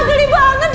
agel banget sih